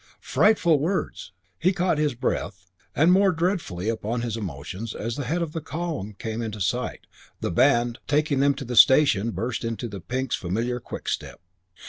Frightful words! He caught his breath, and, more dreadfully upon his emotions, as the head of the column came into sight, the band, taking them to the station, burst into the Pinks' familiar quickstep.